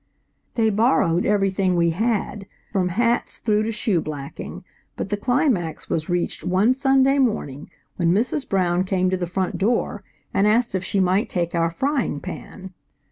They borrowed everything we had, from hats through to shoe blacking, but the climax was reached one Sunday morning when Mrs. Brown came to the front door and asked if she might take our frying pan.